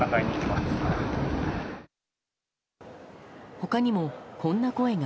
他にも、こんな声が。